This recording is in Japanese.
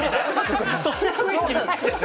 そんな雰囲気ないでしょ！